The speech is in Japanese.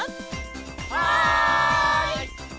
はい！